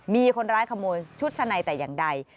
มีคนร้ายขโมยชุดชะในแต่อย่างใด